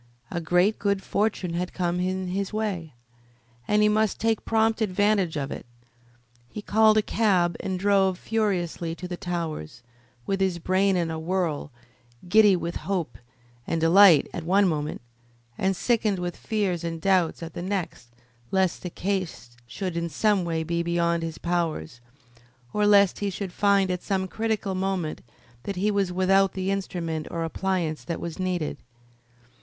A great good fortune had come in his way, and he must take prompt advantage of it. He called a cab and drove furiously to the Towers, with his brain in a whirl, giddy with hope and delight at one moment, and sickened with fears and doubts at the next lest the case should in some way be beyond his powers, or lest he should find at some critical moment that he was without the instrument or appliance that was needed.